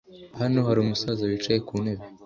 Hano hari umusaza wicaye ku ntebe.